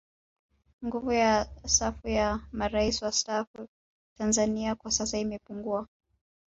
Nguvu ya safu ya Marais wastaafu Tanzania kwa sasa imepungua